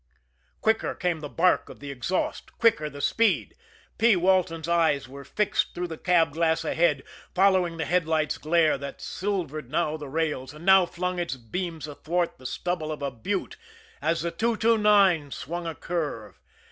Quicker came the bark of the exhaust; quicker the speed. P. Walton's eyes were fixed through the cab glass ahead, following the headlight's glare, that silvered now the rails, and now flung its beams athwart the stubble of a butte as the 229 swung a curve.